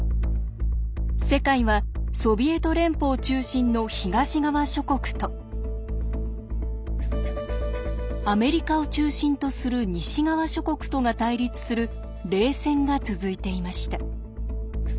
世界はソビエト連邦中心の東側諸国とアメリカを中心とする西側諸国とが対立する冷戦が続いていました。